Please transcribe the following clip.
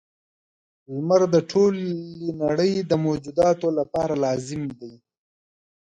• لمر د ټولې نړۍ د موجوداتو لپاره لازمي دی.